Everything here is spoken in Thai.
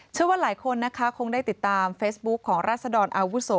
เชื่อว่าหลายคนนะคะคงได้ติดตามเฟซบุ๊คของรัศดรอาวุโส